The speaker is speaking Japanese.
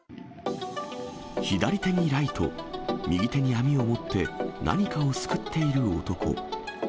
左手にライト、右手に網を持って、何かをすくっている男。